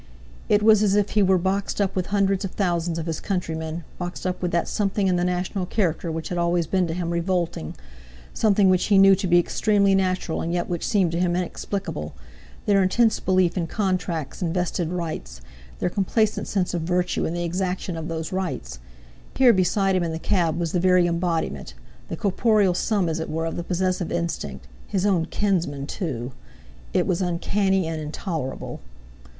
It was as if he were boxed up with hundreds of thousands of his countrymen, boxed up with that something in the national character which had always been to him revolting, something which he knew to be extremely natural and yet which seemed to him inexplicable—their intense belief in contracts and vested rights, their complacent sense of virtue in the exaction of those rights. Here beside him in the cab was the very embodiment, the corporeal sum as it were, of the possessive instinct—his own kinsman, too! It was uncanny and intolerable!